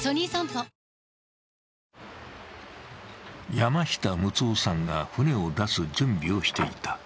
山下六男さんが船を出す準備をしていた。